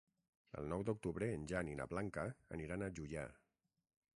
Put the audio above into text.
El nou d'octubre en Jan i na Blanca aniran a Juià.